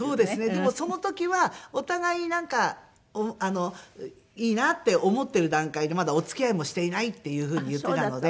でもその時はお互いになんかいいなって思ってる段階でまだお付き合いもしていないっていう風に言ってたので。